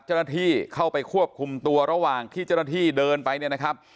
เจ้าหน้าที่เข้าไปควบคุมตัวระหว่างที่เจ้าหน้าที่เดินไปเนี่ยนะครับ